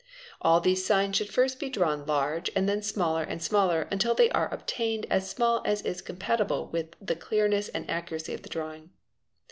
All these signs should first be drawn large and then smaller ¢ smaller until they are obtained as small as is compatible with the cleat and accuracy of the drawing.